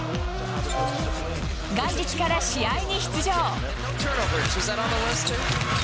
元日から試合に出場。